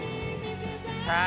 さあ